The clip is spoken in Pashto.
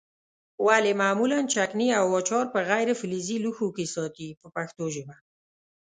ولې معمولا چکني او اچار په غیر فلزي لوښو کې ساتي په پښتو ژبه.